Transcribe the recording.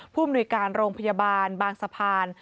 ผู้หมดนวยการโรงพยาบาลบางสะพาน